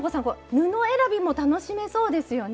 布選びも楽しめそうですよね。